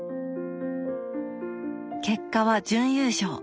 結果は準優勝。